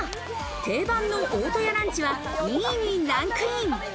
定番の大戸屋ランチは２位にランクイン。